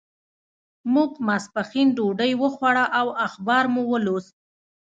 موږ ماسپښین ډوډۍ وخوړه او اخبار مو ولوست.